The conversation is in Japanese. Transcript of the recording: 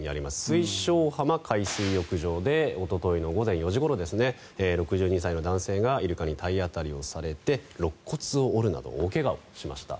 水晶浜海水浴場でおとといの午前４時ごろ６２歳の男性がイルカに体当たりをされてろっ骨を折るなど大怪我をしました。